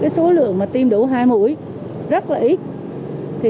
số lượng mà tiêm đấu hai mũi rất là ít